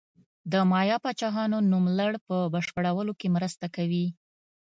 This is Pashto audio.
د مایا پاچاهانو نوملړ په بشپړولو کې مرسته کوي.